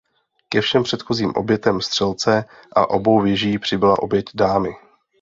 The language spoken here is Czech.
Ke všem předchozím obětem střelce a obou věží přibyla oběť dámy.